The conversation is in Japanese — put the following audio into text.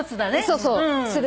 そうそう。